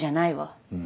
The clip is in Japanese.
うん。